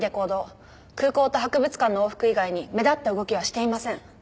空港と博物館の往復以外に目立った動きはしていません。